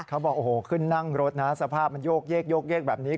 เขาบอกโอ้โหขึ้นนั่งรถนะสภาพมันโยกเยกแบบนี้